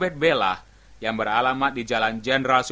damai perhentian yang indah